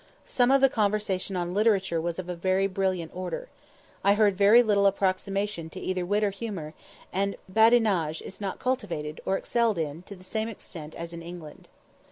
Some of the conversation on literature was of a very brilliant order. I heard very little approximation to either wit or humour, and badinage is not cultivated, or excelled in, to the same extent as in England.